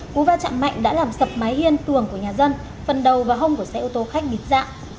cú va chạm mạnh đã làm sập mái hiên tường của nhà dân phần đầu và hông của xe ô tô khách mịt dạng